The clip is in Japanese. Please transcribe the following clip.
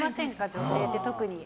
女性って特に。